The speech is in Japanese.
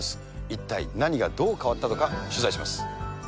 一体何がどう変わったのか、取材します。